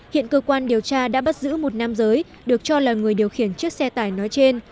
hiện cơ quan điều tra đã bắt giữ một nam giới được cho là người điều khiển chiếc xe tải nói trên